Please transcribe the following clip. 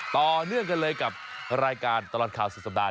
ต่อเนื่องกันเลยกับรายการตลอดข่าวสุดสัปดาห